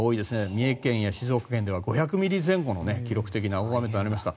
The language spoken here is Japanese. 三重県や静岡県では５００ミリ前後の記録的な大雨となりました。